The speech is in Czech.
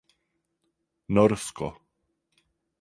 Norsko.